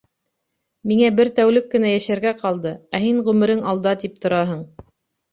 — Миңә бер тәүлек кенә йәшәргә ҡалды, ә һин, ғүмерең алда, тип тораһың.